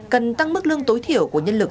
cần tăng mức lương tối thiểu của nhân lực